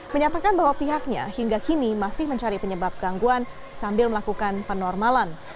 menyatakan bahwa pihaknya hingga kini masih mencari penyebab gangguan sambil melakukan penormalan